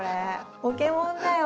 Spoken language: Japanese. ポケモンだよ。